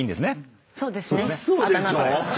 そうですね。